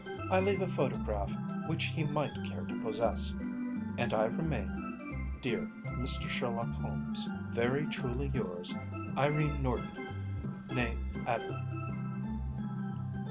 I leave a photograph which he might care to possess; and I remain, dear Mr. Sherlock Holmes, “Very truly yours, “IRENE NORTON, née ADLER.